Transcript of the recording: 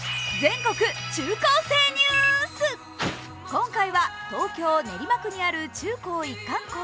今回は東京・練馬区にある中高一貫校